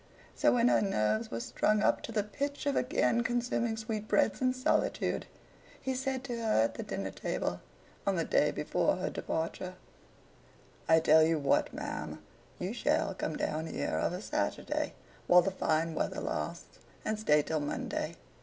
So when her nerves were strung up to the pitch of again consuming sweetbreads in solitude, he said to her at the dinner table, on the day before her departure, 'I tell you what, ma'am; you shall come down here of a Saturday, while the fine weather lasts, and stay till Monday.